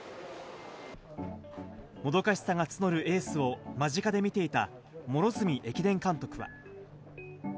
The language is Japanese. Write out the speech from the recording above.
もどかしさが募るエースを間近で見ていた両角駅伝監督は。